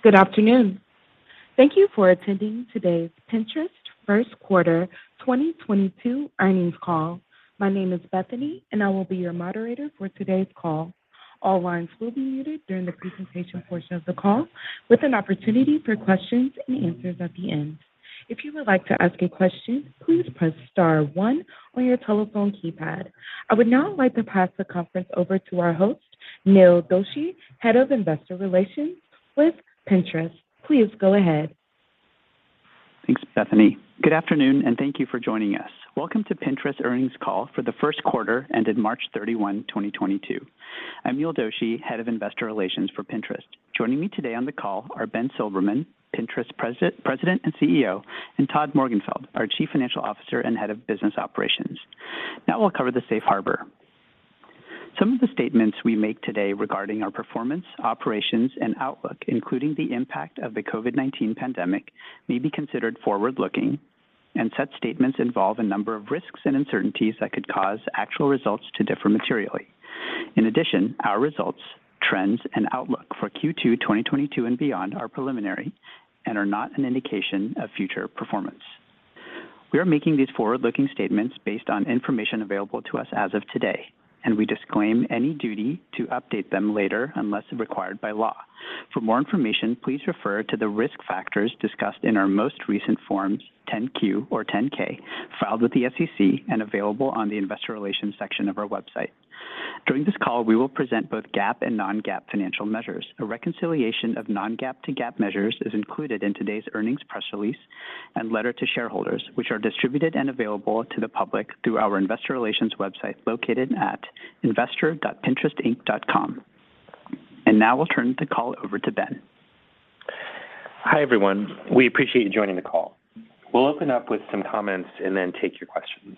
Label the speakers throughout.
Speaker 1: Good afternoon. Thank you for attending today's Pinterest first quarter 2022 earnings call. My name is Bethany, and I will be your moderator for today's call. All lines will be muted during the presentation portion of the call, with an opportunity for questions and answers at the end. If you would like to ask a question, please press star one on your telephone keypad. I would now like to pass the conference over to our host, Neil Doshi, Head of Investor Relations with Pinterest. Please go ahead.
Speaker 2: Thanks, Bethany. Good afternoon, and thank you for joining us. Welcome to Pinterest earnings call for the first quarter ended March 31, 2022. I'm Neil Doshi, Head of Investor Relations for Pinterest. Joining me today on the call are Ben Silbermann, Pinterest President and CEO, and Todd Morgenfeld, our Chief Financial Officer and Head of Business Operations. Now we'll cover the safe harbor. Some of the statements we make today regarding our performance, operations, and outlook, including the impact of the COVID-19 pandemic, may be considered forward-looking, and such statements involve a number of risks and uncertainties that could cause actual results to differ materially. In addition, our results, trends, and outlook for Q2 2022 and beyond are preliminary and are not an indication of future performance. We are making these forward-looking statements based on information available to us as of today, and we disclaim any duty to update them later unless required by law. For more information, please refer to the risk factors discussed in our most recent Forms 10-Q or 10-K filed with the SEC and available on the investor relations section of our website. During this call, we will present both GAAP and non-GAAP financial measures. A reconciliation of non-GAAP to GAAP measures is included in today's earnings press release and letter to shareholders, which are distributed and available to the public through our investor relations website located at investor.pinterestinc.com. Now I'll turn the call over to Ben.
Speaker 3: Hi, everyone. We appreciate you joining the call. We'll open up with some comments and then take your questions.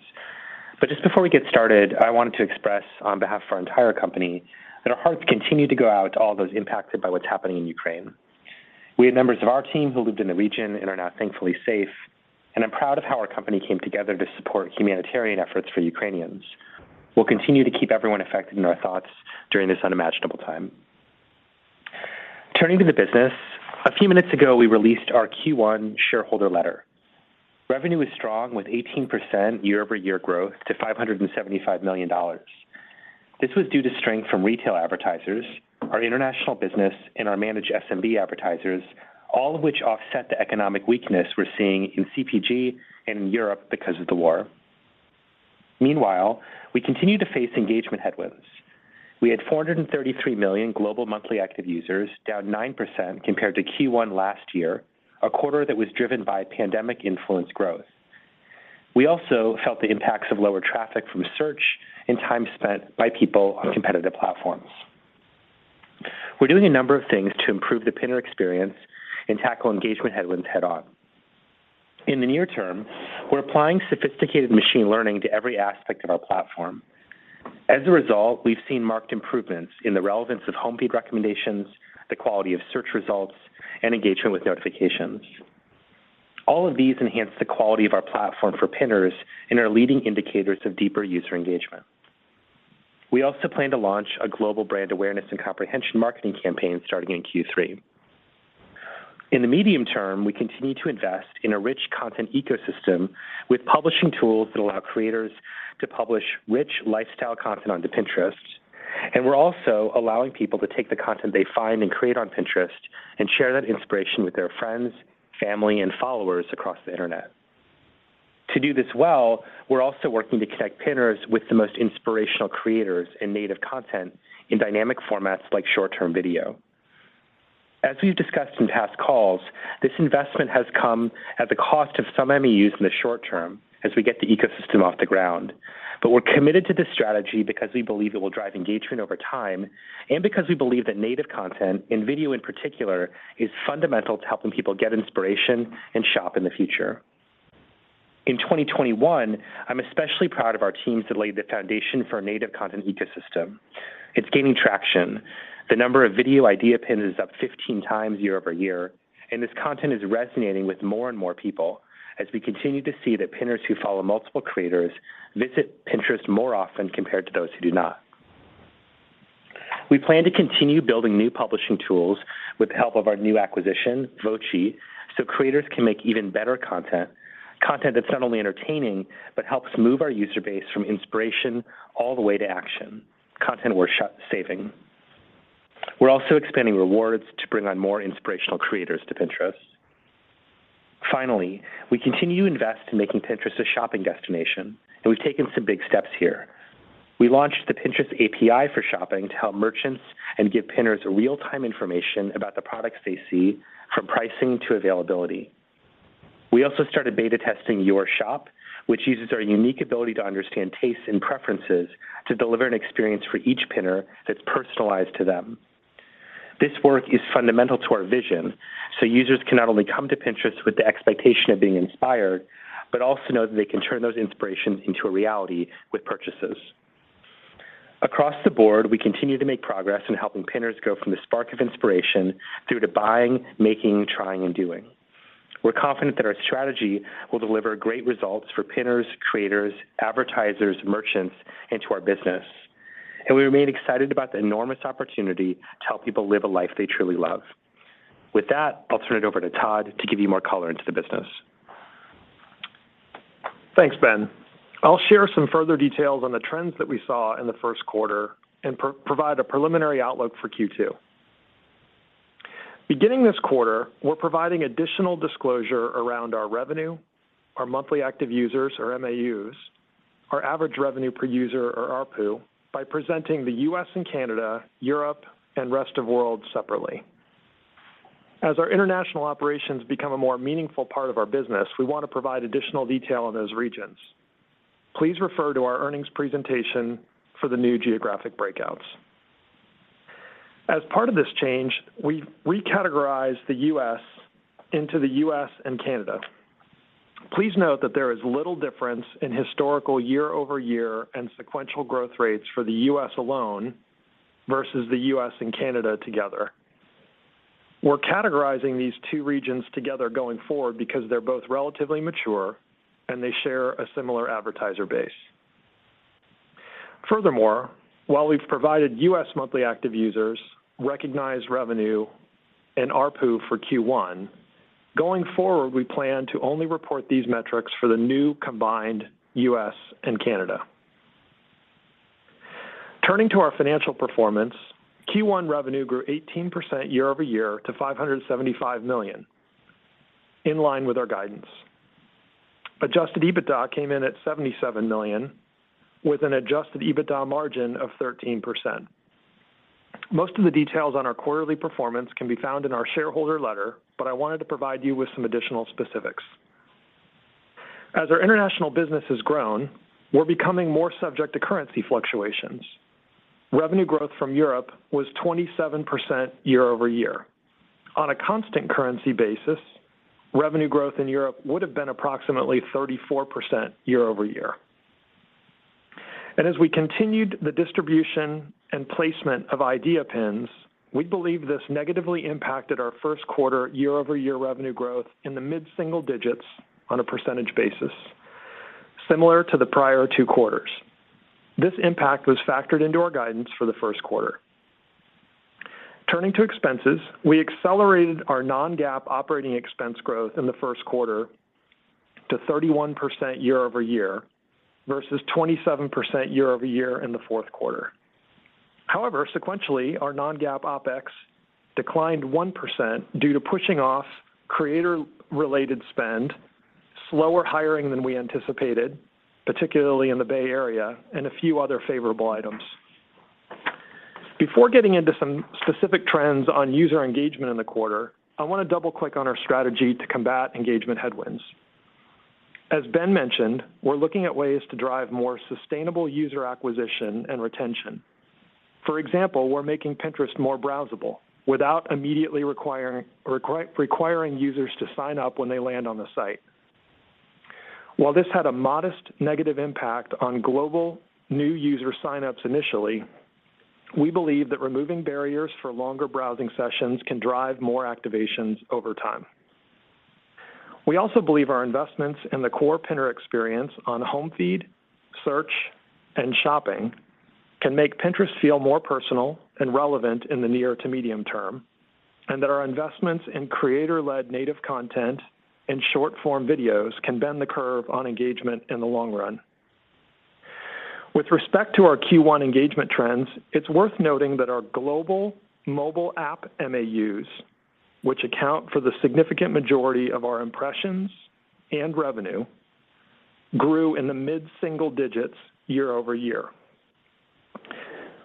Speaker 3: Just before we get started, I wanted to express on behalf of our entire company that our hearts continue to go out to all those impacted by what's happening in Ukraine. We had members of our team who lived in the region and are now thankfully safe, and I'm proud of how our company came together to support humanitarian efforts for Ukrainians. We'll continue to keep everyone affected in our thoughts during this unimaginable time. Turning to the business, a few minutes ago, we released our Q1 shareholder letter. Revenue was strong with 18% year-over-year growth to $575 million. This was due to strength from retail advertisers, our international business, and our managed SMB advertisers, all of which offset the economic weakness we're seeing in CPG and in Europe because of the war. Meanwhile, we continue to face engagement headwinds. We had 433 million global monthly active users, down 9% compared to Q1 last year, a quarter that was driven by pandemic-influenced growth. We also felt the impacts of lower traffic from search and time spent by people on competitive platforms. We're doing a number of things to improve the Pinner experience and tackle engagement headwinds head-on. In the near term, we're applying sophisticated machine learning to every aspect of our platform. As a result, we've seen marked improvements in the relevance of home feed recommendations, the quality of search results, and engagement with notifications. All of these enhance the quality of our platform for Pinners and are leading indicators of deeper user engagement. We also plan to launch a global brand awareness and comprehension marketing campaign starting in Q3. In the medium term, we continue to invest in a rich content ecosystem with publishing tools that allow creators to publish rich lifestyle content onto Pinterest. We're also allowing people to take the content they find and create on Pinterest and share that inspiration with their friends, family, and followers across the internet. To do this well, we're also working to connect Pinners with the most inspirational creators and native content in dynamic formats like short-form video. As we've discussed in past calls, this investment has come at the cost of some MAUs in the short term as we get the ecosystem off the ground. We're committed to this strategy because we believe it will drive engagement over time and because we believe that native content, and video in particular, is fundamental to helping people get inspiration and shop in the future. In 2021, I'm especially proud of our teams that laid the foundation for a native content ecosystem. It's gaining traction. The number of video Idea Pins is up 15x year-over-year, and this content is resonating with more and more people as we continue to see that Pinners who follow multiple creators visit Pinterest more often compared to those who do not. We plan to continue building new publishing tools with the help of our new acquisition, Vochi, so creators can make even better content that's not only entertaining, but helps move our user base from inspiration all the way to action, content worth saving. We're also expanding rewards to bring on more inspirational creators to Pinterest. Finally, we continue to invest in making Pinterest a shopping destination, and we've taken some big steps here. We launched the Pinterest API for Shopping to help merchants and give Pinners real-time information about the products they see from pricing to availability. We also started beta testing Your Shop, which uses our unique ability to understand tastes and preferences to deliver an experience for each Pinner that's personalized to them. This work is fundamental to our vision so users can not only come to Pinterest with the expectation of being inspired, but also know that they can turn those inspirations into a reality with purchases. Across the board, we continue to make progress in helping Pinners go from the spark of inspiration through to buying, making, trying, and doing. We're confident that our strategy will deliver great results for Pinners, creators, advertisers, merchants, and to our business, and we remain excited about the enormous opportunity to help people live a life they truly love. With that, I'll turn it over to Todd to give you more color into the business.
Speaker 4: Thanks, Ben. I'll share some further details on the trends that we saw in the first quarter and provide a preliminary outlook for Q2. Beginning this quarter, we're providing additional disclosure around our revenue, our monthly active users or MAUs, our average revenue per user or ARPU, by presenting the U.S. and Canada, Europe, and rest of world separately. As our international operations become a more meaningful part of our business, we want to provide additional detail on those regions. Please refer to our earnings presentation for the new geographic breakouts. As part of this change, we recategorized the U.S. into the U.S. and Canada. Please note that there is little difference in historical year-over-year and sequential growth rates for the U.S. alone versus the U.S. and Canada together. We're categorizing these two regions together going forward because they're both relatively mature and they share a similar advertiser base. Furthermore, while we've provided U.S. monthly active users recognized revenue and ARPU for Q1, going forward, we plan to only report these metrics for the new combined U.S. and Canada. Turning to our financial performance, Q1 revenue grew 18% year-over-year to $575 million, in line with our guidance. Adjusted EBITDA came in at $77 million with an adjusted EBITDA margin of 13%. Most of the details on our quarterly performance can be found in our shareholder letter, but I wanted to provide you with some additional specifics. As our international business has grown, we're becoming more subject to currency fluctuations. Revenue growth from Europe was 27% year-over-year. On a constant currency basis, revenue growth in Europe would have been approximately 34% year-over-year. As we continued the distribution and placement of Idea Pins, we believe this negatively impacted our first quarter year-over-year revenue growth in the mid-single digits on a percentage basis, similar to the prior two quarters. This impact was factored into our guidance for the first quarter. Turning to expenses, we accelerated our non-GAAP operating expense growth in the first quarter to 31% year-over-year versus 27% year-over-year in the fourth quarter. However, sequentially, our non-GAAP OpEx declined 1% due to pushing off creator-related spend, slower hiring than we anticipated, particularly in the Bay Area and a few other favorable items. Before getting into some specific trends on user engagement in the quarter, I want to double-click on our strategy to combat engagement headwinds. As Ben mentioned, we're looking at ways to drive more sustainable user acquisition and retention. For example, we're making Pinterest more browsable without immediately requiring users to sign up when they land on the site. While this had a modest negative impact on global new user signups initially, we believe that removing barriers for longer browsing sessions can drive more activations over time. We also believe our investments in the core Pinner experience on home feed, search, and shopping can make Pinterest feel more personal and relevant in the near to medium term, and that our investments in creator-led native content and short-form videos can bend the curve on engagement in the long run. With respect to our Q1 engagement trends, it's worth noting that our global mobile app MAUs, which account for the significant majority of our impressions and revenue, grew in the mid-single digits year-over-year.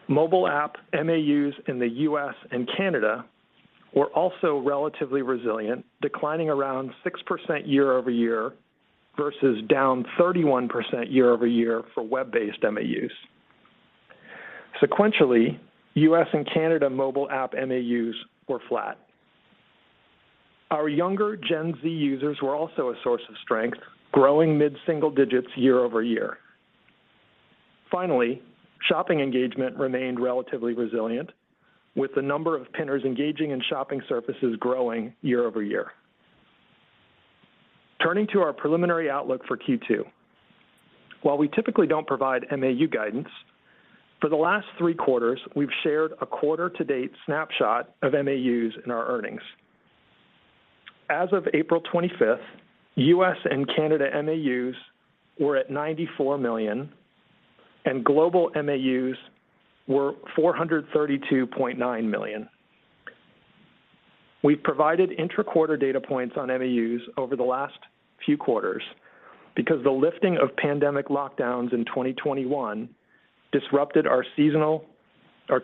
Speaker 4: Mobile app MAUs in the U.S. and Canada were also relatively resilient, declining around 6% year-over-year versus down 31% year-over-year for web-based MAUs. Sequentially, U.S. and Canada mobile app MAUs were flat. Our younger Gen Z users were also a source of strength, growing mid-single digits year-over-year. Finally, shopping engagement remained relatively resilient, with the number of Pinners engaging in shopping surfaces growing year-over-year. Turning to our preliminary outlook for Q2. While we typically don't provide MAU guidance, for the last three quarters, we've shared a quarter-to-date snapshot of MAUs in our earnings. As of April 25, U.S. and Canada MAUs were at 94 million, and global MAUs were 432.9 million. We've provided intra-quarter data points on MAUs over the last few quarters because the lifting of pandemic lockdowns in 2021 disrupted our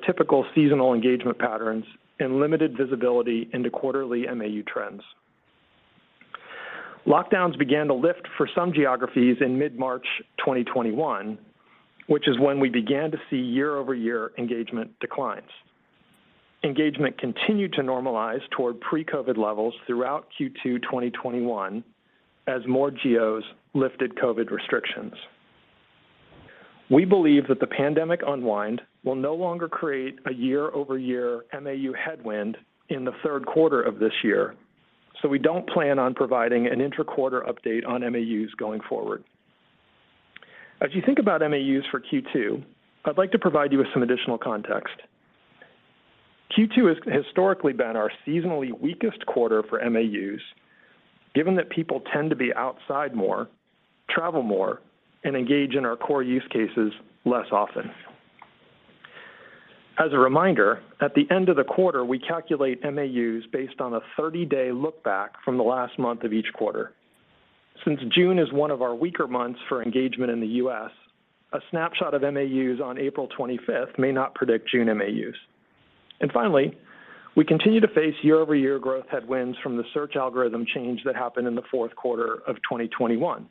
Speaker 4: typical seasonal engagement patterns and limited visibility into quarterly MAU trends. Lockdowns began to lift for some geographies in mid-March 2021, which is when we began to see year-over-year engagement declines. Engagement continued to normalize toward pre-COVID levels throughout Q2 2021 as more geos lifted COVID restrictions. We believe that the pandemic unwind will no longer create a year-over-year MAU headwind in the third quarter of this year, so we don't plan on providing an inter-quarter update on MAUs going forward. As you think about MAUs for Q2, I'd like to provide you with some additional context. Q2 has historically been our seasonally weakest quarter for MAUs, given that people tend to be outside more, travel more, and engage in our core use cases less often. As a reminder, at the end of the quarter, we calculate MAUs based on a 30-day look-back from the last month of each quarter. Since June is one of our weaker months for engagement in the U.S., a snapshot of MAUs on April 25th may not predict June MAUs. Finally, we continue to face year-over-year growth headwinds from the search algorithm change that happened in the fourth quarter of 2021,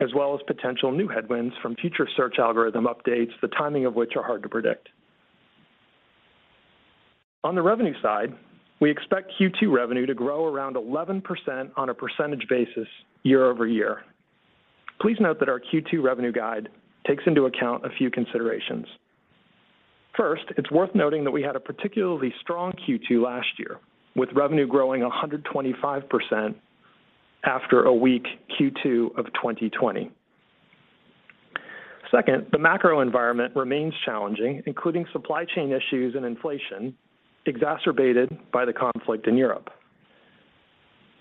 Speaker 4: as well as potential new headwinds from future search algorithm updates, the timing of which are hard to predict. On the revenue side, we expect Q2 revenue to grow around 11% on a percentage basis year-over-year. Please note that our Q2 revenue guide takes into account a few considerations. First, it's worth noting that we had a particularly strong Q2 last year, with revenue growing 125% after a weak Q2 of 2020. Second, the macro environment remains challenging, including supply chain issues and inflation exacerbated by the conflict in Europe.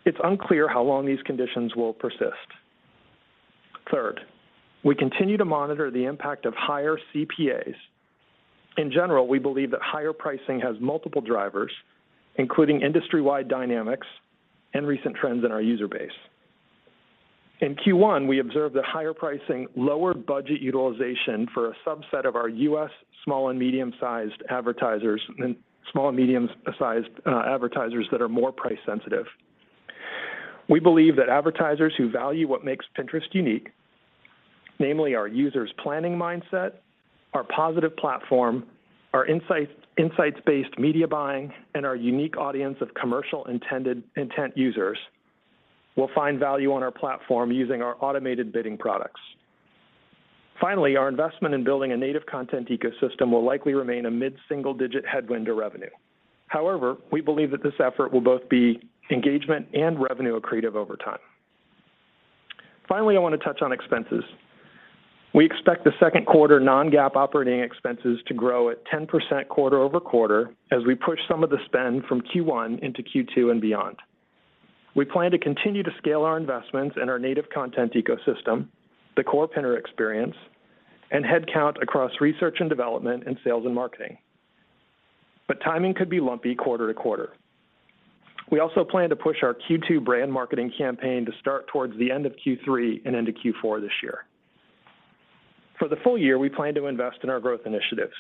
Speaker 4: It's unclear how long these conditions will persist. Third, we continue to monitor the impact of higher CPAs. In general, we believe that higher pricing has multiple drivers, including industry-wide dynamics and recent trends in our user base. In Q1, we observed that higher pricing lowered budget utilization for a subset of our U.S. small and medium-sized advertisers that are more price sensitive. We believe that advertisers who value what makes Pinterest unique, namely our users' planning mindset, our positive platform, our insights-based media buying, and our unique audience of commercial intent users, will find value on our platform using our automated bidding products. Finally, our investment in building a native content ecosystem will likely remain a mid-single digit headwind to revenue. However, we believe that this effort will both be engagement and revenue accretive over time. Finally, I want to touch on expenses. We expect the second quarter non-GAAP operating expenses to grow at 10% quarter-over-quarter as we push some of the spend from Q1 into Q2 and beyond. We plan to continue to scale our investments in our native content ecosystem, the core Pinner experience, and headcount across research and development and sales and marketing. Timing could be lumpy quarter-to-quarter. We also plan to push our Q2 brand marketing campaign to start towards the end of Q3 and into Q4 this year. For the full year, we plan to invest in our growth initiatives,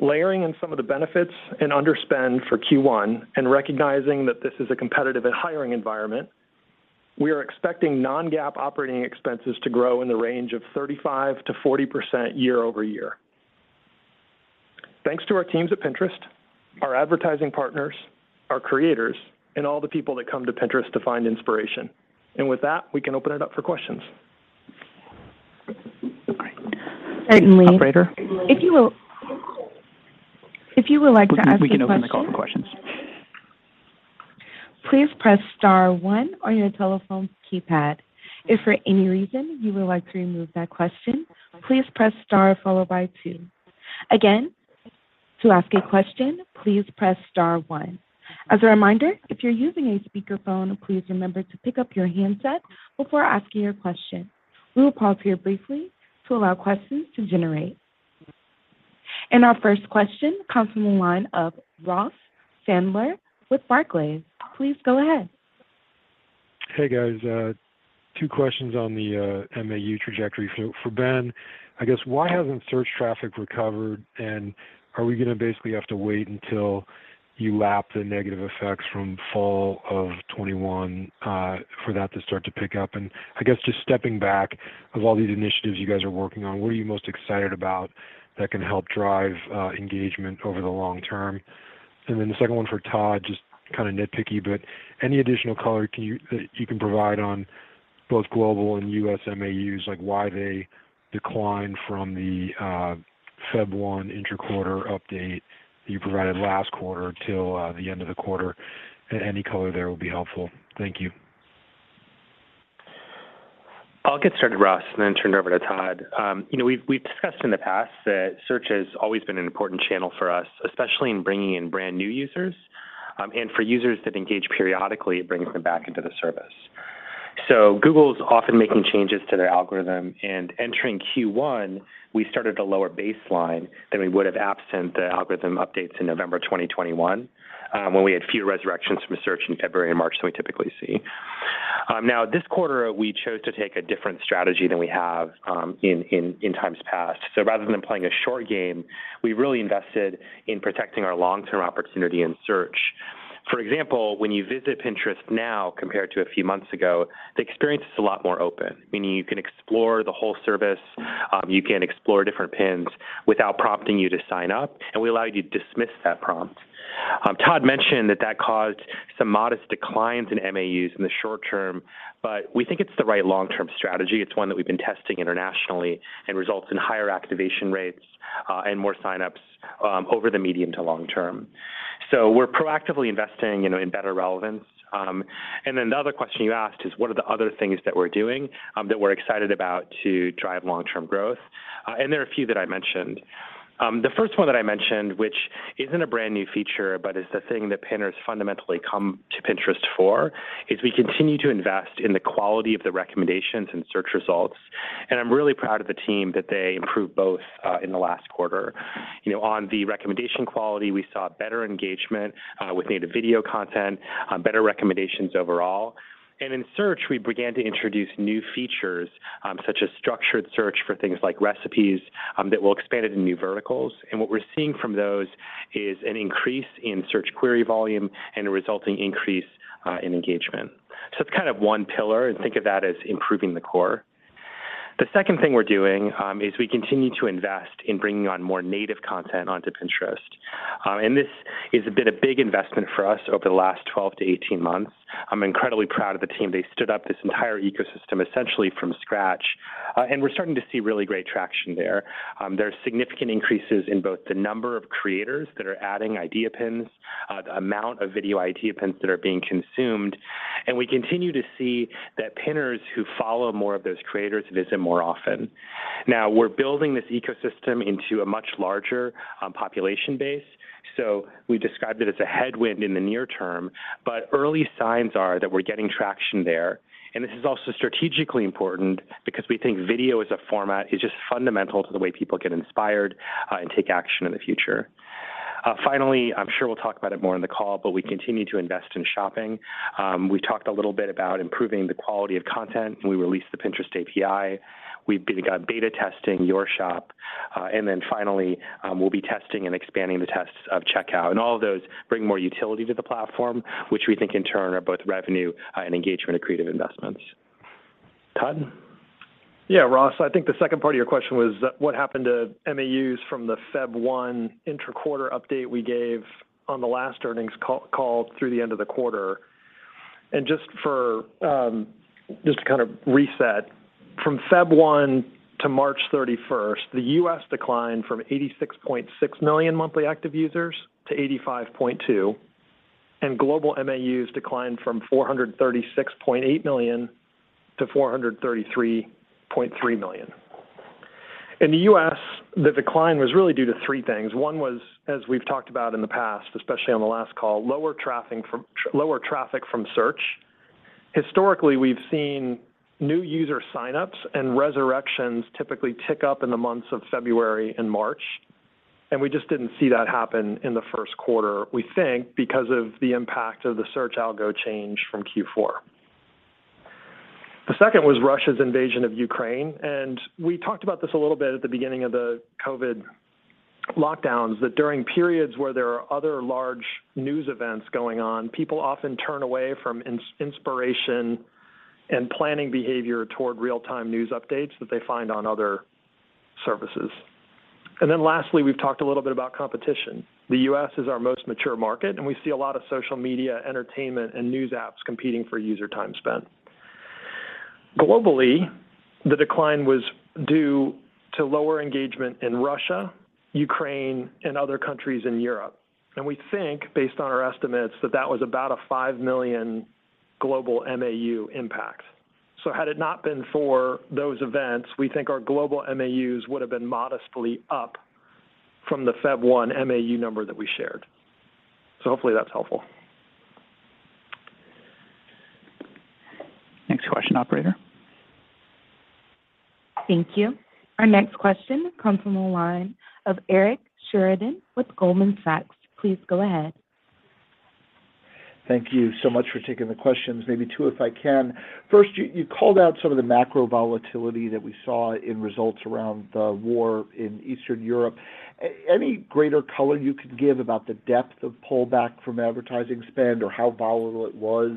Speaker 4: layering in some of the benefits and underspend for Q1 and recognizing that this is a competitive and hiring environment. We are expecting non-GAAP operating expenses to grow in the range of 35%-40% year-over-year. Thanks to our teams at Pinterest, our advertising partners, our creators, and all the people that come to Pinterest to find inspiration. With that, we can open it up for questions.
Speaker 1: Certainly.
Speaker 4: Operator.
Speaker 1: If you would like to ask a question.
Speaker 4: We can open the call for questions.
Speaker 1: Please press star one on your telephone keypad. If for any reason you would like to remove that question, please press star followed by two. Again, to ask a question, please press star one. As a reminder, if you're using a speakerphone, please remember to pick up your handset before asking your question. We will pause here briefly to allow questions to generate. Our first question comes from the line of Ross Sandler with Barclays. Please go ahead.
Speaker 5: Hey, guys. Two questions on the MAU trajectory. For Ben, I guess why hasn't search traffic recovered, and are we going to basically have to wait until you lap the negative effects from fall of 2021 for that to start to pick up? I guess just stepping back, of all these initiatives you guys are working on, what are you most excited about that can help drive engagement over the long term? The second one for Todd, just kind of nitpicky, but any additional color that you can provide on both global and U.S. MAUs, like why they declined from the February 1 interquarter update you provided last quarter till the end of the quarter. Any color there will be helpful. Thank you.
Speaker 3: I'll get started, Ross, and then turn it over to Todd. You know, we've discussed in the past that search has always been an important channel for us, especially in bringing in brand new users, and for users that engage periodically, it brings them back into the service. Google's often making changes to their algorithm, and entering Q1, we started a lower baseline than we would have absent the algorithm updates in November 2021, when we had fewer resurrections from search in February and March than we typically see. Now this quarter, we chose to take a different strategy than we have, in times past. Rather than playing a short game, we really invested in protecting our long-term opportunity in search. For example, when you visit Pinterest now compared to a few months ago, the experience is a lot more open, meaning you can explore the whole service, you can explore different pins without prompting you to sign up, and we allow you to dismiss that prompt. Todd mentioned that that caused some modest declines in MAUs in the short term, but we think it's the right long-term strategy. It's one that we've been testing internationally and results in higher activation rates, and more signups, over the medium to long term. We're proactively investing, you know, in better relevance. Then the other question you asked is what are the other things that we're doing, that we're excited about to drive long-term growth? There are a few that I mentioned. The first one that I mentioned, which isn't a brand new feature, but it's a thing that Pinners fundamentally come to Pinterest for, is we continue to invest in the quality of the recommendations and search results. I'm really proud of the team that they improved both, in the last quarter. You know, on the recommendation quality, we saw better engagement, with native video content, better recommendations overall. In search, we began to introduce new features, such as structured search for things like recipes, that we'll expand it in new verticals. What we're seeing from those is an increase in search query volume and a resulting increase, in engagement. It's kind of one pillar and think of that as improving the core. The second thing we're doing, is we continue to invest in bringing on more native content onto Pinterest. This has been a big investment for us over the last 12-18 months. I'm incredibly proud of the team. They stood up this entire ecosystem, essentially from scratch. We're starting to see really great traction there. There are significant increases in both the number of creators that are adding Idea Pins, the amount of video Idea Pins that are being consumed, and we continue to see that Pinners who follow more of those creators visit more often. Now, we're building this ecosystem into a much larger population base, so we described it as a headwind in the near term. Early signs are that we're getting traction there. This is also strategically important because we think video as a format is just fundamental to the way people get inspired, and take action in the future. Finally, I'm sure we'll talk about it more in the call, but we continue to invest in shopping. We talked a little bit about improving the quality of content when we released the Pinterest API. We've got beta testing Your Shop. Then finally, we'll be testing and expanding the tests of checkout. All of those bring more utility to the platform, which we think in turn are both revenue, and engagement and creative investments. Todd?
Speaker 4: Yeah, Ross, I think the second part of your question was what happened to MAUs from the February 1 intra-quarter update we gave on the last earnings call through the end of the quarter. Just for, just to kind of reset, from February 1 to March 31, the U.S. declined from 86.6 million monthly active users to 85.2 million, and global MAUs declined from 436.8 million to 433.3 million. In the U.S., the decline was really due to three things. One was, as we've talked about in the past, especially on the last call, lower traffic from search. Historically, we've seen new user signups and resurrections typically tick up in the months of February and March, and we just didn't see that happen in the first quarter, we think because of the impact of the search algo change from Q4. The second was Russia's invasion of Ukraine, and we talked about this a little bit at the beginning of the COVID lockdowns, that during periods where there are other large news events going on, people often turn away from inspiration and planning behavior toward real-time news updates that they find on other services. Then lastly, we've talked a little bit about competition. The U.S. is our most mature market, and we see a lot of social media, entertainment, and news apps competing for user time spent. Globally, the decline was due to lower engagement in Russia, Ukraine, and other countries in Europe. We think, based on our estimates, that that was about a five million global MAU impact. Had it not been for those events, we think our global MAUs would have been modestly up from the February 1 MAU number that we shared. Hopefully that's helpful.
Speaker 3: Next question, operator.
Speaker 1: Thank you. Our next question comes from the line of Eric Sheridan with Goldman Sachs. Please go ahead.
Speaker 6: Thank you so much for taking the questions. Maybe two, if I can. First, you called out some of the macro volatility that we saw in results around the war in Eastern Europe. Any greater color you can give about the depth of pullback from advertising spend or how volatile it was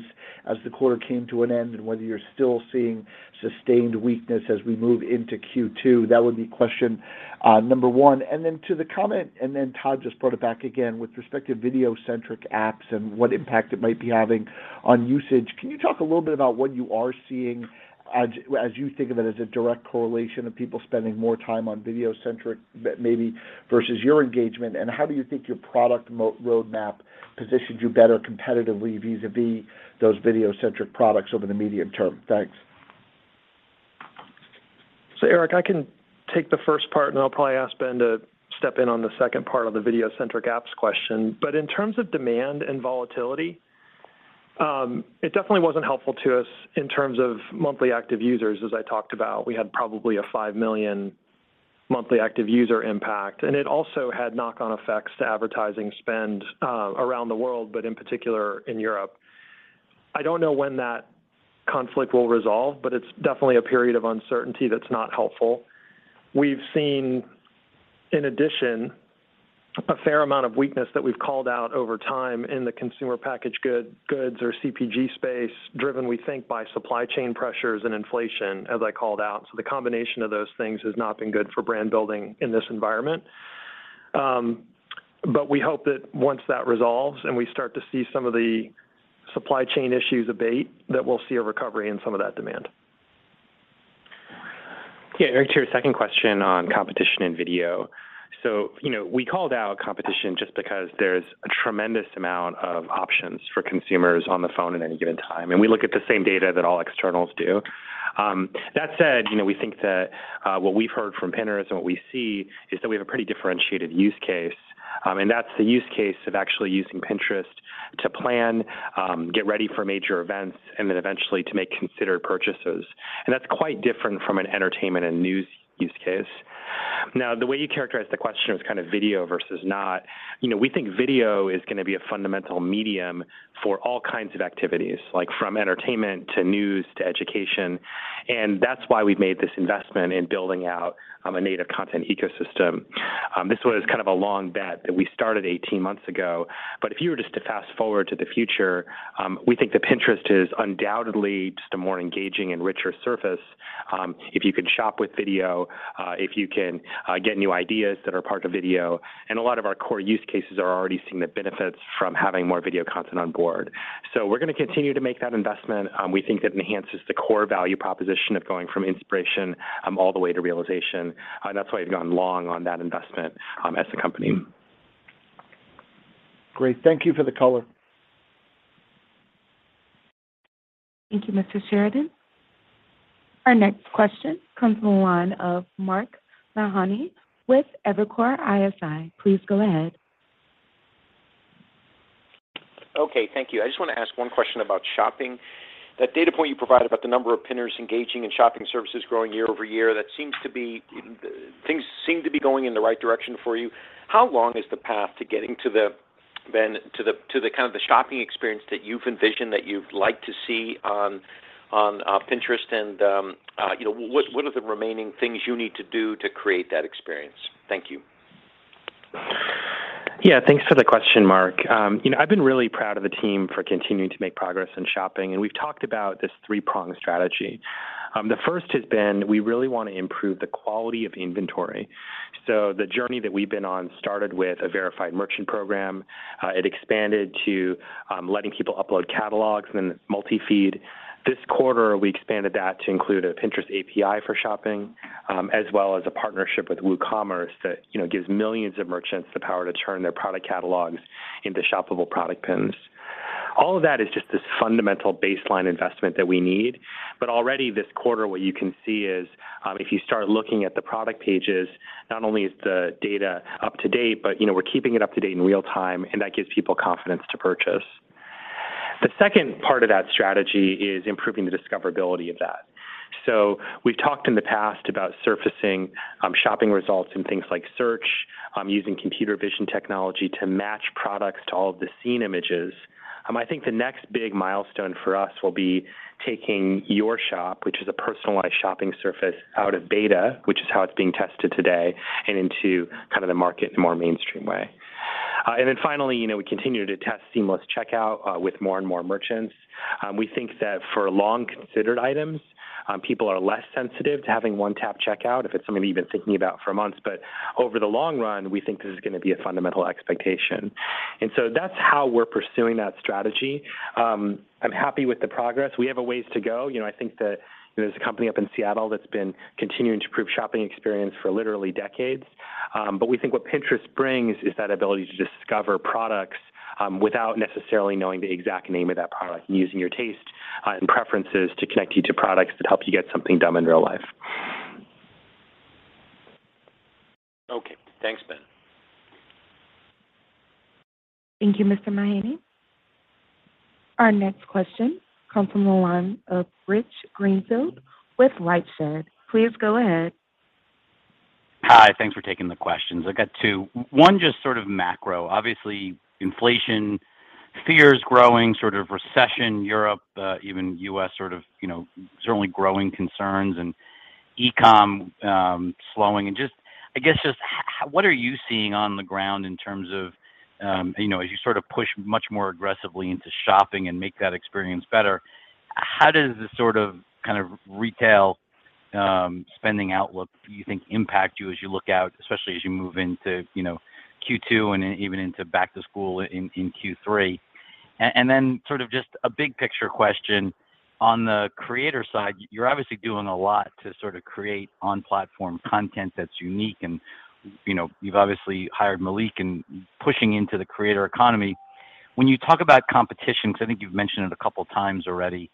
Speaker 6: as the quarter came to an end, and whether you're still seeing sustained weakness as we move into Q2? That would be question, number one. To the comment, and then Todd just brought it back again, with respect to video-centric apps and what impact it might be having on usage. Can you talk a little bit about what you are seeing as you think of it as a direct correlation of people spending more time on video-centric maybe versus your engagement? How do you think your product roadmap positions you better competitively vis-à-vis those video-centric products over the medium term? Thanks.
Speaker 4: Eric, I can take the first part, and I'll probably ask Ben to step in on the second part of the video-centric apps question. In terms of demand and volatility, it definitely wasn't helpful to us in terms of monthly active users. As I talked about, we had probably a five million monthly active user impact, and it also had knock-on effects to advertising spend around the world, but in particular in Europe. I don't know when that conflict will resolve, but it's definitely a period of uncertainty that's not helpful. We've seen, in addition, a fair amount of weakness that we've called out over time in the consumer packaged goods or CPG space, driven, we think, by supply chain pressures and inflation, as I called out. The combination of those things has not been good for brand building in this environment. We hope that once that resolves and we start to see some of the supply chain issues abate, that we'll see a recovery in some of that demand.
Speaker 3: Yeah. Eric, to your second question on competition in video. You know, we called out competition just because there's a tremendous amount of options for consumers on the phone at any given time, and we look at the same data that all externals do. That said, you know, we think that what we've heard from Pinners and what we see is that we have a pretty differentiated use case. That's the use case of actually using Pinterest to plan, get ready for major events, and then eventually to make considered purchases. That's quite different from an entertainment and news use case. Now, the way you characterize the question was kind of video versus not. You know, we think video is gonna be a fundamental medium for all kinds of activities, like from entertainment to news to education. That's why we've made this investment in building out a native content ecosystem. This was kind of a long bet that we started 18 months ago. If you were just to fast-forward to the future, we think that Pinterest is undoubtedly just a more engaging and richer surface, if you can shop with video, if you can get new ideas that are part of video, and a lot of our core use cases are already seeing the benefits from having more video content on board. We're gonna continue to make that investment. We think that enhances the core value proposition of going from inspiration all the way to realization. That's why we've gone long on that investment as a company.
Speaker 6: Great. Thank you for the color.
Speaker 1: Thank you, Mr. Sheridan. Our next question comes from the line of Mark Mahaney with Evercore ISI. Please go ahead.
Speaker 7: Okay. Thank you. I just wanna ask one question about shopping. That data point you provided about the number of Pinners engaging in shopping services growing year-over-year, things seem to be going in the right direction for you. How long is the path to getting to the, Ben, to the kind of shopping experience that you've envisioned, that you'd like to see on Pinterest? You know, what are the remaining things you need to do to create that experience? Thank you.
Speaker 3: Yeah. Thanks for the question, Mark. You know, I've been really proud of the team for continuing to make progress in shopping, and we've talked about this three-pronged strategy. The first has been, we really wanna improve the quality of the inventory. The journey that we've been on started with a verified merchant program. It expanded to letting people upload catalogs and then multi-feed. This quarter, we expanded that to include a Pinterest API for Shopping, as well as a partnership with WooCommerce that, you know, gives millions of merchants the power to turn their product catalogs into shoppable product pins. All of that is just this fundamental baseline investment that we need. Already this quarter, what you can see is, if you start looking at the product pages, not only is the data up to date, but, you know, we're keeping it up to date in real time, and that gives people confidence to purchase. The second part of that strategy is improving the discoverability of that. We've talked in the past about surfacing, shopping results in things like search, using computer vision technology to match products to all of the scene images. I think the next big milestone for us will be taking Your Shop, which is a personalized shopping surface, out of beta, which is how it's being tested today, and into kind of the market in a more mainstream way. Finally, you know, we continue to test seamless checkout with more and more merchants. We think that for long considered items, people are less sensitive to having one tap checkout if it's something you've been thinking about for months. But over the long run, we think this is gonna be a fundamental expectation. That's how we're pursuing that strategy. I'm happy with the progress. We have a ways to go. You know, I think that, you know, there's a company up in Seattle that's been continuing to improve shopping experience for literally decades. But we think what Pinterest brings is that ability to discover products, without necessarily knowing the exact name of that product, and using your taste, and preferences to connect you to products that help you get something done in real life.
Speaker 7: Okay. Thanks, Ben.
Speaker 1: Thank you, Mr. Mahaney. Our next question comes from the line of Rich Greenfield with LightShed. Please go ahead.
Speaker 8: Hi. Thanks for taking the questions. I've got two. One just sort of macro. Obviously, inflation fear is growing, sort of recession, Europe, even U.S. sort of, you know, certainly growing concerns and e-com slowing. What are you seeing on the ground in terms of, you know, as you sort of push much more aggressively into shopping and make that experience better, how does the sort of, kind of retail spending outlook do you think impact you as you look out, especially as you move into, you know, Q2 and even into back to school in Q3? Sort of just a big picture question. On the creator side, you're obviously doing a lot to sort of create on-platform content that's unique and, you know, you've obviously hired Malik and pushing into the creator economy. When you talk about competition, because I think you've mentioned it a couple of times already,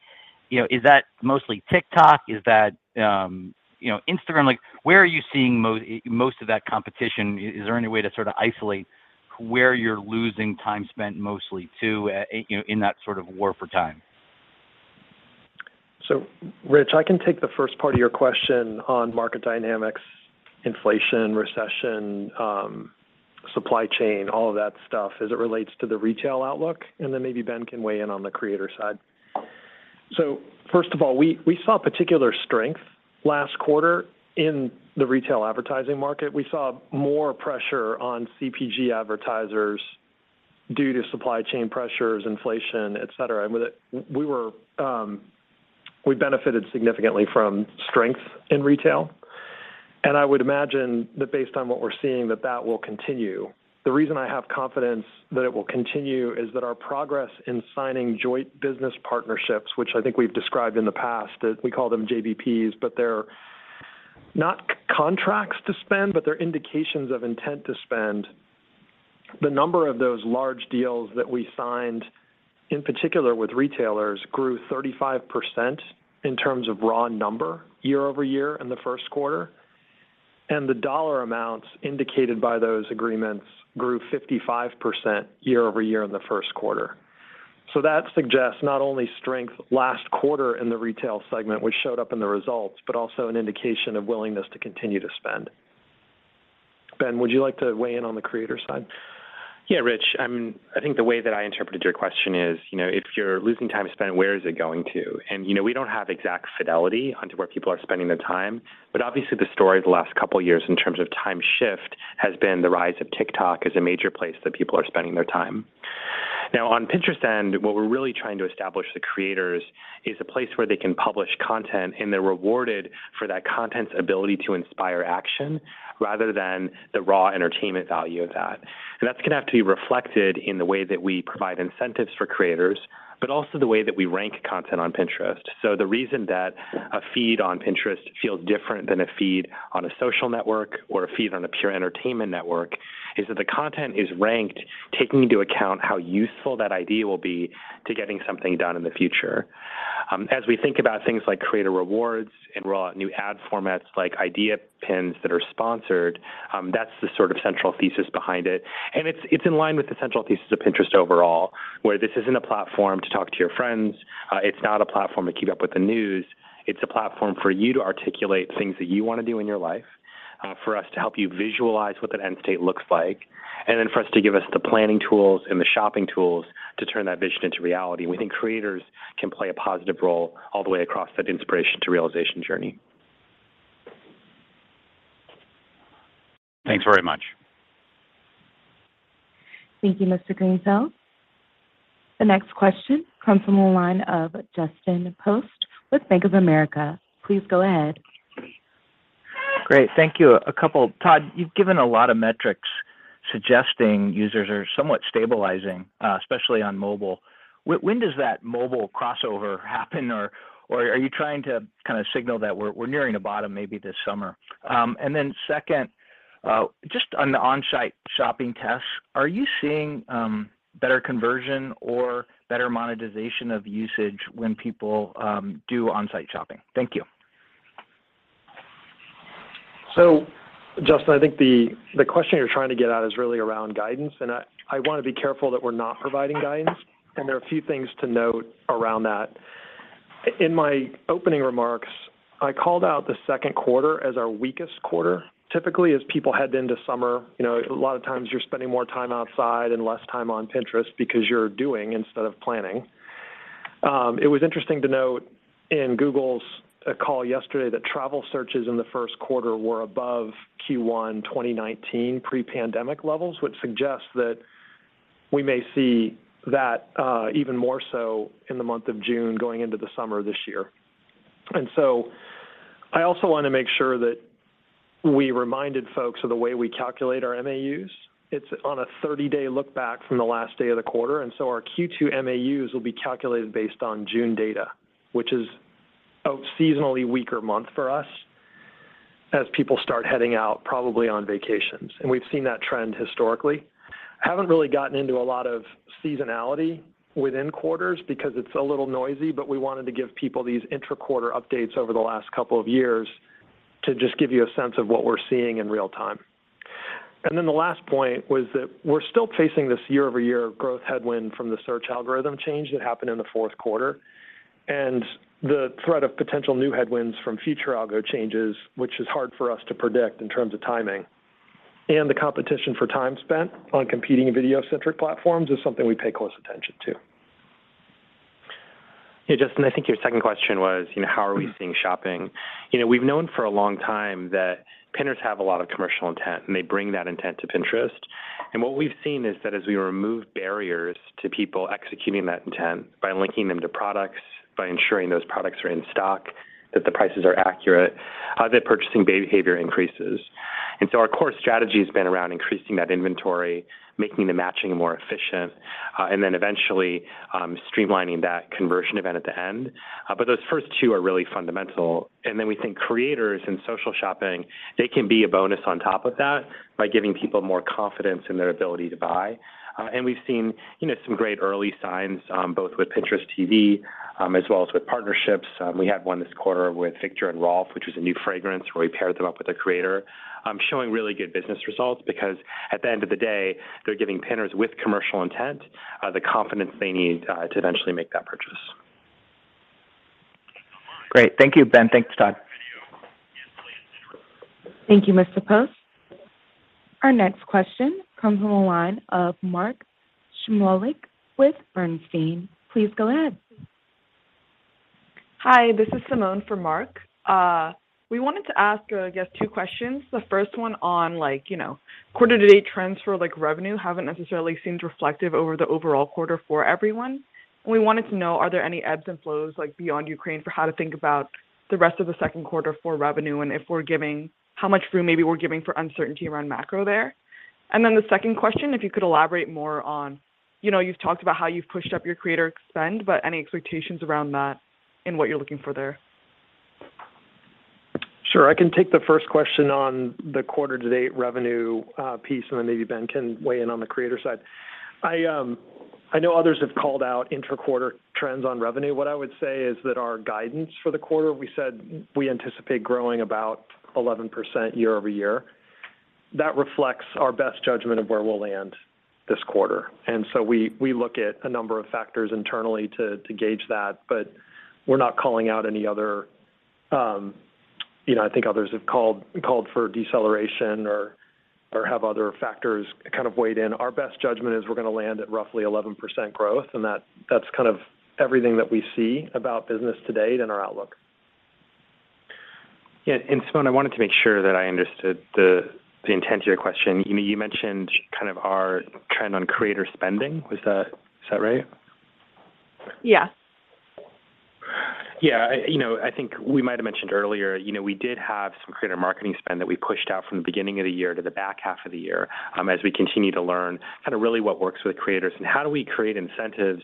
Speaker 8: you know, is that mostly TikTok? Is that, you know, Instagram? Like, where are you seeing most of that competition? Is there any way to sort of isolate where you're losing time spent mostly to, you know, in that sort of war for time?
Speaker 4: Rich, I can take the first part of your question on market dynamics, inflation, recession, supply chain, all of that stuff as it relates to the retail outlook, and then maybe Ben can weigh in on the creator side. First of all, we saw particular strength last quarter in the retail advertising market. We saw more pressure on CPG advertisers due to supply chain pressures, inflation, et cetera. With it, we benefited significantly from strength in retail, and I would imagine that based on what we're seeing, that will continue. The reason I have confidence that it will continue is that our progress in signing joint business partnerships, which I think we've described in the past, we call them JBPs, but they're not contracts to spend, but they're indications of intent to spend. The number of those large deals that we signed, in particular with retailers, grew 35% in terms of raw number year-over-year in the first quarter, and the dollar amounts indicated by those agreements grew 55% year-over-year in the first quarter. That suggests not only strength last quarter in the retail segment, which showed up in the results, but also an indication of willingness to continue to spend. Ben, would you like to weigh in on the creator side?
Speaker 3: Yeah, Rich. I mean, I think the way that I interpreted your question is, you know, if you're losing time spent, where is it going to? You know, we don't have exact visibility into where people are spending their time. Obviously the story the last couple of years in terms of time shift has been the rise of TikTok as a major place that people are spending their time. Now on Pinterest's end, what we're really trying to establish for the creators is a place where they can publish content, and they're rewarded for that content's ability to inspire action rather than the raw entertainment value of that. That's going to have to be reflected in the way that we provide incentives for creators, but also the way that we rank content on Pinterest. The reason that a feed on Pinterest feels different than a feed on a social network or a feed on a pure entertainment network is that the content is ranked taking into account how useful that idea will be to getting something done in the future. As we think about things like creator rewards and roll out new ad formats like Idea Pins that are sponsored, that's the sort of central thesis behind it. It's in line with the central thesis of Pinterest overall, where this isn't a platform to talk to your friends, it's not a platform to keep up with the news. It's a platform for you to articulate things that you want to do in your life, for us to help you visualize what that end state looks like, and then for us to give us the planning tools and the shopping tools to turn that vision into reality. We think creators can play a positive role all the way across that inspiration to realization journey.
Speaker 8: Thanks very much.
Speaker 1: Thank you, Mr. Greenfield. The next question comes from the line of Justin Post with Bank of America. Please go ahead.
Speaker 9: Great. Thank you. A couple, Todd, you've given a lot of metrics suggesting users are somewhat stabilizing, especially on mobile. When does that mobile crossover happen or are you trying to kind of signal that we're nearing a bottom maybe this summer? Second, just on the on-site shopping tests, are you seeing better conversion or better monetization of usage when people do on-site shopping? Thank you.
Speaker 4: Justin, I think the question you're trying to get at is really around guidance, and I want to be careful that we're not providing guidance, and there are a few things to note around that. In my opening remarks, I called out the second quarter as our weakest quarter. Typically, as people head into summer, you know, a lot of times you're spending more time outside and less time on Pinterest because you're doing instead of planning. It was interesting to note in Google's call yesterday that travel searches in the first quarter were above Q1 2019 pre-pandemic levels, which suggests that we may see that even more so in the month of June going into the summer this year. I also want to make sure that we reminded folks of the way we calculate our MAUs. It's on a 30-day look back from the last day of the quarter, and so our Q2 MAUs will be calculated based on June data, which is a seasonally weaker month for us as people start heading out probably on vacations. We've seen that trend historically. I haven't really gotten into a lot of seasonality within quarters because it's a little noisy, but we wanted to give people these inter-quarter updates over the last couple of years to just give you a sense of what we're seeing in real time. The last point was that we're still facing this year-over-year growth headwind from the search algorithm change that happened in the fourth quarter and the threat of potential new headwinds from future algo changes, which is hard for us to predict in terms of timing. The competition for time spent on competing video-centric platforms is something we pay close attention to.
Speaker 3: Yeah, Justin, I think your second question was, you know, how are we seeing shopping? You know, we've known for a long time that Pinners have a lot of commercial intent, and they bring that intent to Pinterest. What we've seen is that as we remove barriers to people executing that intent by linking them to products, by ensuring those products are in stock, that the prices are accurate, their purchasing behavior increases. Our core strategy has been around increasing that inventory, making the matching more efficient, and then eventually streamlining that conversion event at the end. Those first two are really fundamental. We think creators and social shopping, they can be a bonus on top of that by giving people more confidence in their ability to buy. We've seen, you know, some great early signs, both with Pinterest TV, as well as with partnerships. We had one this quarter with Viktor&Rolf, which was a new fragrance where we paired them up with a creator, showing really good business results because at the end of the day, they're giving Pinners with commercial intent, the confidence they need, to eventually make that purchase.
Speaker 9: Great. Thank you, Ben. Thanks, Todd.
Speaker 1: Thank you, Mr. Post. Our next question comes from the line of Mark Shmulik with Bernstein. Please go ahead.
Speaker 10: Hi, this is Simone for Mark. We wanted to ask, I guess, two questions. The first one on like, you know, quarter to date trends for like revenue haven't necessarily seemed reflective over the overall quarter for everyone. We wanted to know, are there any ebbs and flows like beyond Ukraine for how to think about the rest of the second quarter for revenue, and if we're giving, how much room maybe we're giving for uncertainty around macro there? The second question, if you could elaborate more on, you know, you've talked about how you've pushed up your creator spend, but any expectations around that and what you're looking for there?
Speaker 4: Sure. I can take the first question on the quarter to date revenue piece, and then maybe Ben can weigh in on the creator side. I know others have called out intra-quarter trends on revenue. What I would say is that our guidance for the quarter, we said we anticipate growing about 11% year-over-year. That reflects our best judgment of where we'll land this quarter. We look at a number of factors internally to gauge that, but we're not calling out any other, you know, I think others have called for deceleration or have other factors kind of weighed in. Our best judgment is we're gonna land at roughly 11% growth, and that's kind of everything that we see about business to date in our outlook.
Speaker 3: Yeah. Simone, I wanted to make sure that I understood the intent to your question. You mentioned kind of our trend on creator spending. Was that? Is that right?
Speaker 10: Yeah.
Speaker 3: Yeah. You know, I think we might have mentioned earlier, you know, we did have some creator marketing spend that we pushed out from the beginning of the year to the back half of the year, as we continue to learn kind of really what works with creators and how do we create incentives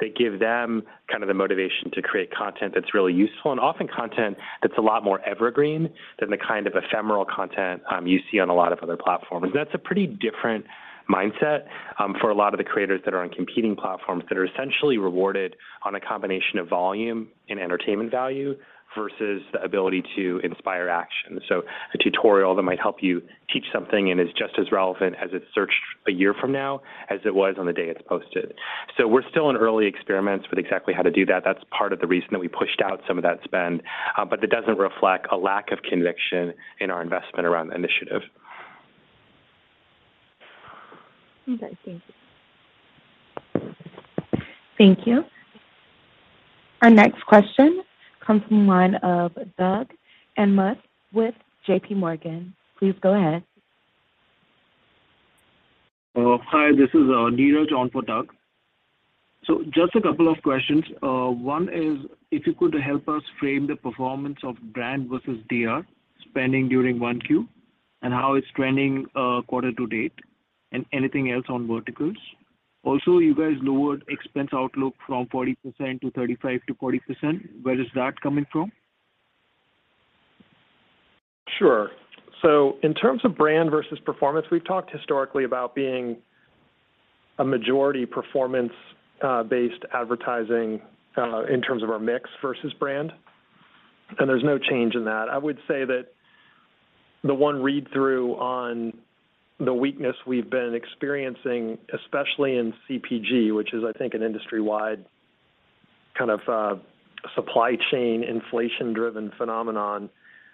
Speaker 3: that give them kind of the motivation to create content that's really useful, and often content that's a lot more evergreen than the kind of ephemeral content you see on a lot of other platforms. That's a pretty different mindset, for a lot of the creators that are on competing platforms that are essentially rewarded on a combination of volume and entertainment value versus the ability to inspire action. A tutorial that might help you teach something and is just as relevant as it's searched a year from now as it was on the day it's posted. We're still in early experiments with exactly how to do that. That's part of the reason that we pushed out some of that spend, but it doesn't reflect a lack of conviction in our investment around the initiative.
Speaker 10: Okay. Thank you.
Speaker 1: Thank you. Our next question comes from the line of Doug Anmuth with JPMorgan. Please go ahead.
Speaker 11: This is Neeraj on for Doug. Just a couple of questions. One is if you could help us frame the performance of brand versus DR spending during 1Q, and how it's trending, quarter to date, and anything else on verticals. Also, you guys lowered expense outlook from 40% to 35%-40%. Where is that coming from?
Speaker 4: Sure. In terms of brand versus performance, we've talked historically about being a majority performance based advertising in terms of our mix versus brand, and there's no change in that. I would say that the one read through on the weakness we've been experiencing, especially in CPG, which is I think an industry-wide kind of supply chain inflation-driven phenomenon,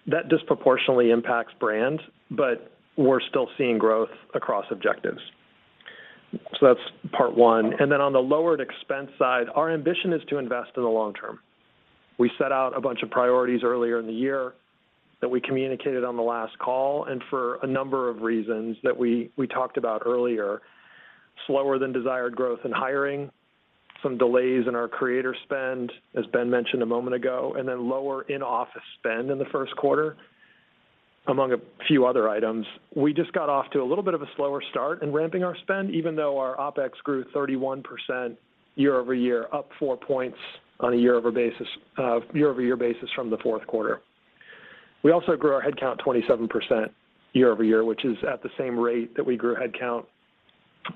Speaker 4: that disproportionately impacts brand, but we're still seeing growth across objectives. That's part one. Then on the lowered expense side, our ambition is to invest in the long term. We set out a bunch of priorities earlier in the year that we communicated on the last call, and for a number of reasons that we talked about earlier, slower than desired growth in hiring, some delays in our creator spend, as Ben mentioned a moment ago, and then lower in-office spend in the first quarter, among a few other items. We just got off to a little bit of a slower start in ramping our spend, even though our OpEx grew 31% year-over-year, up four points on a year-over-year basis from the fourth quarter. We also grew our headcount 27% year-over-year, which is at the same rate that we grew headcount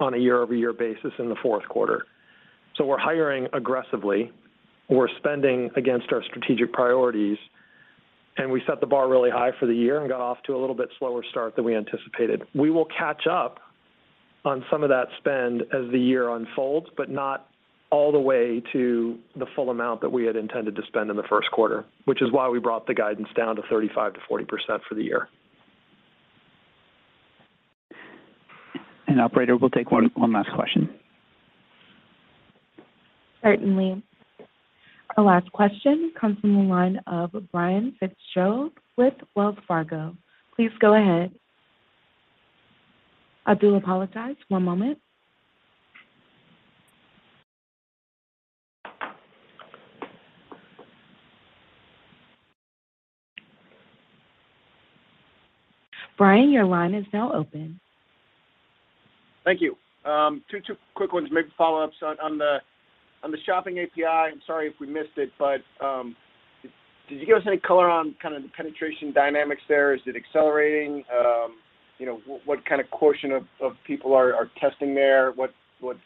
Speaker 4: on a year-over-year basis in the fourth quarter. We're hiring aggressively. We're spending against our strategic priorities, and we set the bar really high for the year and got off to a little bit slower start than we anticipated. We will catch up on some of that spend as the year unfolds, but not all the way to the full amount that we had intended to spend in the first quarter, which is why we brought the guidance down to 35%-40% for the year.
Speaker 3: Operator, we'll take one last question.
Speaker 1: Certainly. Our last question comes from the line of Brian Fitzgerald with Wells Fargo. Please go ahead. I do apologize. One moment. Brian, your line is now open.
Speaker 12: Thank you. Two quick ones, maybe follow-ups on the shopping API. I'm sorry if we missed it, but did you give us any color on kind of the penetration dynamics there? Is it accelerating? You know, what kind of quotient of people are testing there? What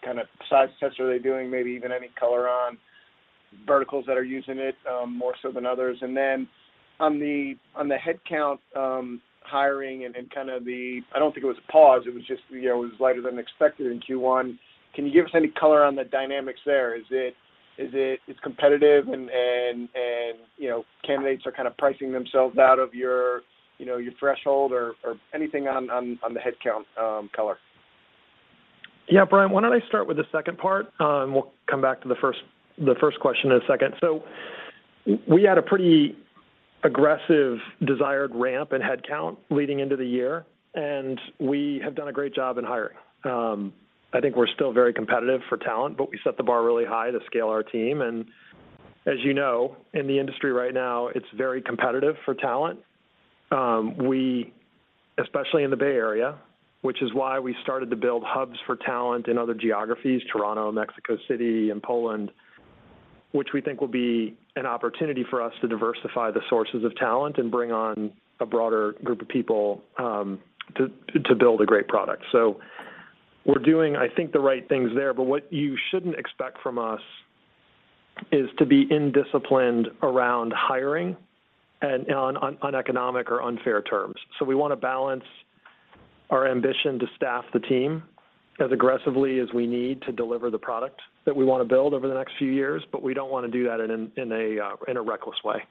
Speaker 12: kind of size tests are they doing? Maybe even any color on verticals that are using it more so than others. On the headcount, hiring and kind of the. I don't think it was a pause, it was just, you know, it was lighter than expected in Q1. Can you give us any color on the dynamics there? Is it? It's competitive and you know, candidates are kind of pricing themselves out of your you know, your threshold or anything on the headcount, color?
Speaker 4: Yeah. Brian, why don't I start with the second part? We'll come back to the first question in a second. We had a pretty aggressive desired ramp in headcount leading into the year, and we have done a great job in hiring. I think we're still very competitive for talent, but we set the bar really high to scale our team. As you know, in the industry right now, it's very competitive for talent. Especially in the Bay Area, which is why we started to build hubs for talent in other geographies, Toronto, Mexico City, and Poland, which we think will be an opportunity for us to diversify the sources of talent and bring on a broader group of people, to build a great product. We're doing, I think, the right things there. What you shouldn't expect from us is to be indisciplined around hiring and on uneconomic or unfair terms. We wanna balance our ambition to staff the team as aggressively as we need to deliver the product that we wanna build over the next few years, but we don't wanna do that in a reckless way.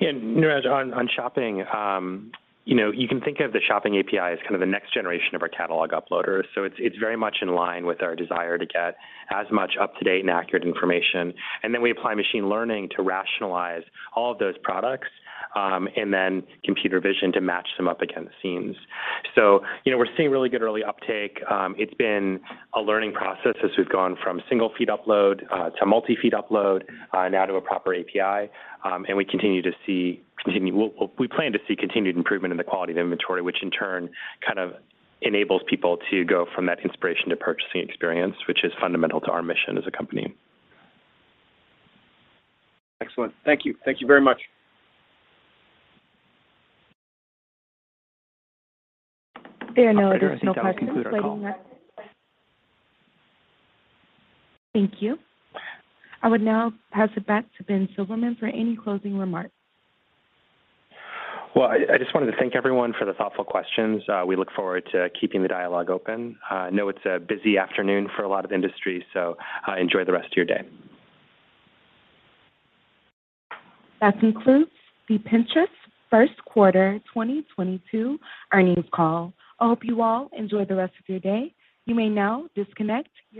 Speaker 3: Neeraj, on shopping, you know, you can think of the shopping API as kind of the next generation of our catalog uploader. It's very much in line with our desire to get as much up-to-date and accurate information. Then we apply machine learning to rationalize all of those products, and then computer vision to match them up against scenes. You know, we're seeing really good early uptake. It's been a learning process as we've gone from single feed upload to multi feed upload now to a proper API. We plan to see continued improvement in the quality of the inventory, which in turn kind of enables people to go from that inspiration to purchasing experience, which is fundamental to our mission as a company.
Speaker 12: Excellent. Thank you. Thank you very much.
Speaker 1: There are no additional questions waiting.
Speaker 3: That will conclude our call.
Speaker 1: Thank you. I would now pass it back to Ben Silbermann for any closing remarks.
Speaker 3: Well, I just wanted to thank everyone for the thoughtful questions. We look forward to keeping the dialogue open. You know it's a busy afternoon for a lot of industry, so enjoy the rest of your day.
Speaker 1: That concludes the Pinterest first quarter 2022 earnings call. I hope you all enjoy the rest of your day. You may now disconnect your phone.